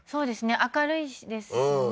明るいですしね